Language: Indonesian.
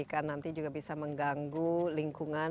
karena nanti juga bisa mengganggu lingkungan